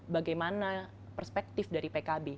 bagaimana perspektif dari pkb